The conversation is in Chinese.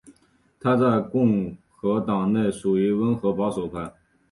他在共和党内属于温和保守派。